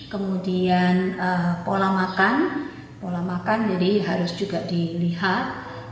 kemudian pola makan pola makan jadi harus juga dilihat